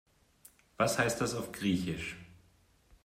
Was heißt das auf Griechisch?